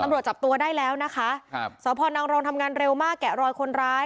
ตำรวจจับตัวได้แล้วนะคะครับสพนังโรงทำงานเร็วมากแกะรอยคนร้าย